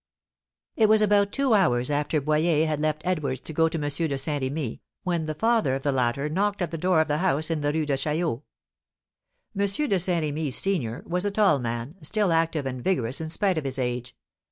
It was about two hours after Boyer had left Edwards to go to M. de Saint Remy, when the father of the latter knocked at the door of the house in the Rue de Chaillot. M. de Saint Remy, senior, was a tall man, still active and vigorous in spite of his age.